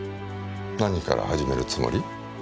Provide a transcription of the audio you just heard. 何から始めるつもり？